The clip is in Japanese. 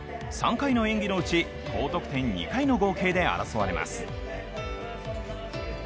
３回の演技のうち高得点２回の合計で争われます。